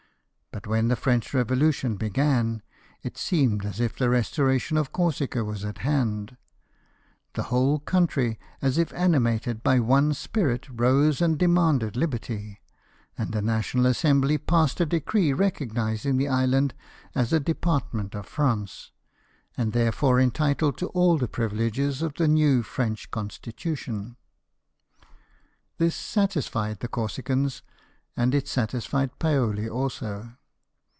But when the French Revolution began, it seemed as if the restoration of Corsica was at hand. The whole country, as if animated by one spirit, rose and demanded liberty; and the National Assembly passed a decree recognising the island as a department of France, and therefore entitled to all the privileges of the new French constitution. This 66 LIFE OF HELSON. satisfied the Corsicans, and it satisfied Paoli also.